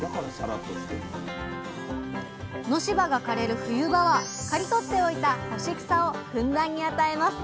野芝が枯れる冬場は刈り取っておいた干し草をふんだんに与えます。